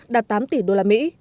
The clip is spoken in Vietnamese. đạt tám tỷ usd